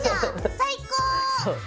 最高！